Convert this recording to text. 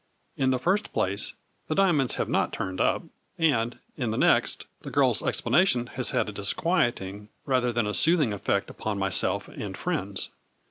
" In the first place the diamonds have not turned up, and, in the next, the girl's explanation has had a disquieting rather than a soothing effect upon myself and friends."